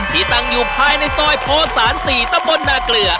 ที่ตั้งอยู่ภายในซอยโพศาล๔ตำบลนาเกลือ